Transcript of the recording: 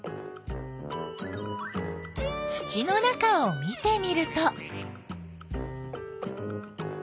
土の中を見てみると。